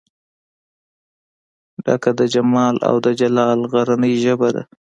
ډکه د جمال او دجلال غرنۍ ژبه ده